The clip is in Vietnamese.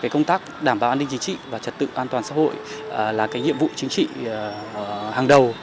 công tác đảm bảo an ninh chính trị và trật tự an toàn xã hội là nhiệm vụ chính trị hàng đầu